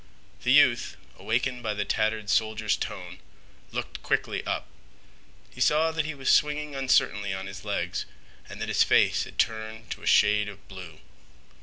The youth, awakened by the tattered soldier's tone, looked quickly up. He saw that he was swinging uncertainly on his legs and that his face had turned to a shade of blue.